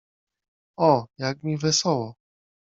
O, jak mi wesoło!